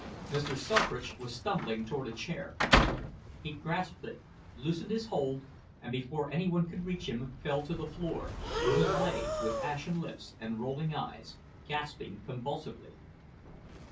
Mr. Selfridge was stumbling toward a chair. He grasped it, loosened his hold, and before anyone could reach him, fell to the floor, where he lay, with ashen lips and rolling eyes, gasping convulsively.